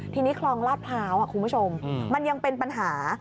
ทีนี้คลองลาดพร้าวคุณผู้ชมมันยังเป็นปัญหา